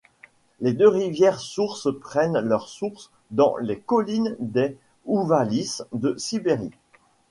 Les deux rivières-source prennent leur source dans les collines des Ouvalys de Sibérie.